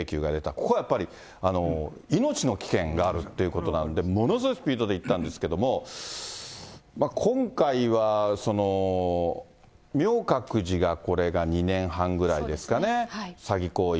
ここはやっぱり、命の危険があるっていうことなんで、ものすごいスピードで行ったんですけども、今回は、明覚寺が、これが２年半ぐらいですかね、詐欺行為。